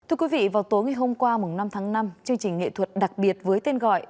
thưa quý vị vào tối ngày hôm qua năm tháng năm chương trình nghệ thuật đặc biệt với tên gọi